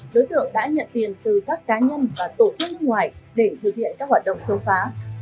đối tượng đã nhận tiền từ các cá nhân và tổ chức nước ngoài để thực hiện các hoạt động chống phá